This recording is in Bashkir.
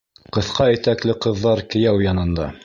Ҡыҫҡа итәкле ҡыҙҙар кейәү янында: